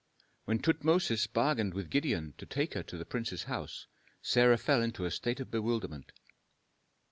When Tutmosis bargained with Gideon to take her to the prince's house, Sarah fell into a state of bewilderment.